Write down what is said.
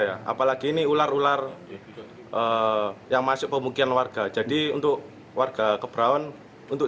ya apalagi ini ular ular yang masuk pemukiman warga jadi untuk warga keberawan untuk